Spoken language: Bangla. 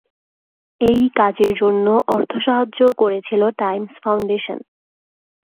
এই কাজের জন্য অর্থসাহায্য করেছিল টাইমস ফাউন্ডেশন।